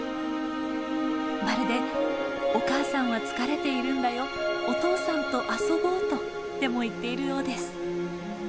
まるで「お母さんは疲れているんだよお父さんと遊ぼう」とでも言っているようです。